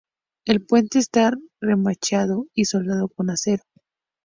El puente está remachado y soldado con acero.